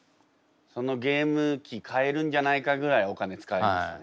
そのゲーム機買えるんじゃないかぐらいお金使いましたね。